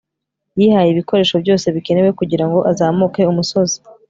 yihaye ibikoresho byose bikenewe kugirango azamuke umusozi